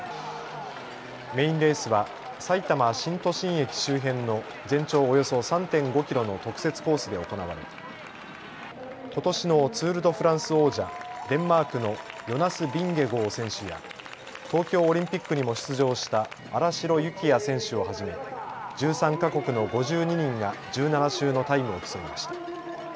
メインレースはさいたま新都心駅周辺の全長およそ３．５キロの特設コースで行われことしのツール・ド・フランス王者、デンマークのヨナス・ヴィンゲゴー選手や東京オリンピックにも出場した新城幸也選手をはじめ１３か国の５２人が１７周のタイムを競いました。